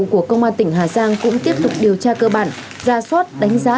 của công an tỉnh hà giang cũng tiếp tục điều tra cơ bản ra soát đánh giá